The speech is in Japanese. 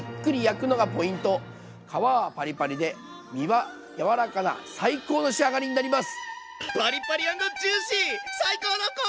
皮はパリパリで身は柔らかな最高の仕上がりになります。